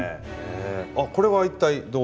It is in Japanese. あっこれは一体どういう？